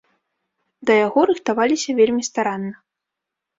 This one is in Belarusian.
Да яго рыхтаваліся вельмі старанна.